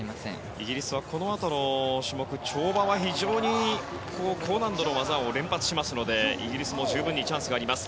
イギリスはこのあとの跳馬は非常に高難度の技を連発しますのでイギリスも十分チャンスがあります。